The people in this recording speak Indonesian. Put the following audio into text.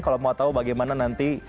kalau mau tahu bagaimana nanti